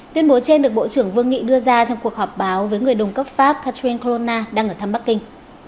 tuyên bố trên được bộ trưởng vương nghị đưa ra trong cuộc họp báo với người đồng cấp pháp cathen krona đang ở thăm bắc kinh